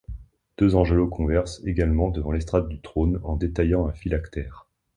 Deux angelots conversent également devant l'estrade du trône en détaillant un phylactère.